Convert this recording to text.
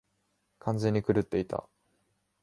完全に狂っていた。